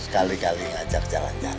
sekali kali ngajak jalan jalan